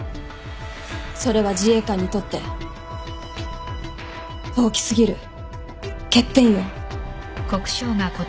それは自衛官にとって大き過ぎる欠点よ。